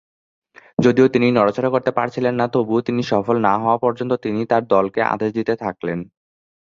যদিও তিনি নড়াচড়া করতে পারছিলেন না, তবুও তিনি সফল হন না হওয়া পর্যন্ত তিনি তাঁর দলকে আদেশ দিতে থাকলেন।